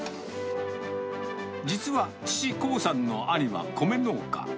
実は父、興さんの兄は米農家。